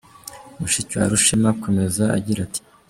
Mushiki wa Rushema akomeza agira ati: